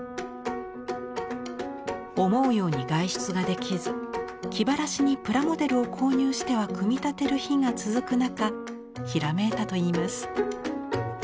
思うように外出ができず気晴しにプラモデルを購入しては組み立てる日が続く中ひらめいたといいます。